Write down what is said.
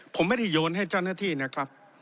ผมไม่ได้โยนให้เจ้าหน้าที่นะครับ